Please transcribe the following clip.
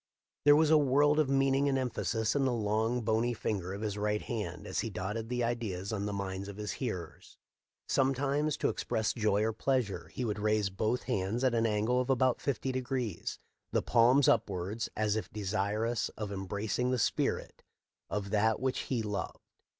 There was a world of meaning and emphasis in the long, bony finger of his right hand as he dotted the ideas on the minds of his hearers. Sometimes, to express joy or pleasure, he would raise both hands at an angle of about fifty degrees, the palms upwards, as if desirous of embracing the spirit of that which he loved.